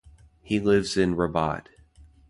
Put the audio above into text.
He lives in Rabat.